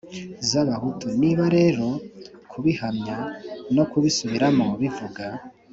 z'abahutu. niba rero kubihamya no kubisubiramo bivuga